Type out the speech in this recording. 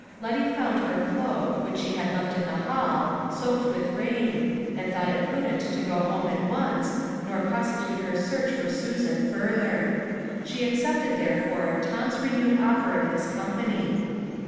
Letty found her cloak, which she had left in the hall, soaked with rain, and thought it prudent to go home at once, nor prosecute her search for Susan further. She accepted, therefore, Tom's renewed offer of his company.